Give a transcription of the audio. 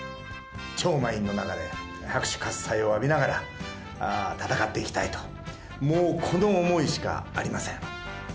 超満員の中で拍手喝さいを浴びながら戦っていきたいと、もうこの想いしかありません。